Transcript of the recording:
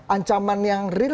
ancaman yang real